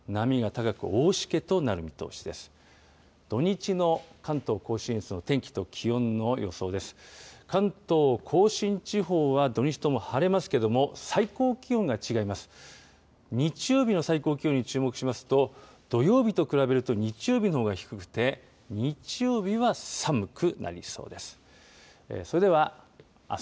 日曜日の最高気温に注目しますと、土曜日と比べると日曜日のほうが低くて、日曜日は寒くなりそうです。